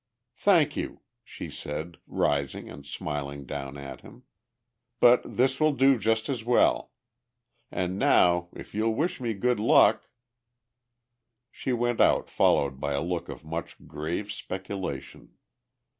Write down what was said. "Thank you," she said, rising and smiling down at him. "But this will do just as well. And now, if you'll wish me good luck..." She went out followed by a look of much grave speculation.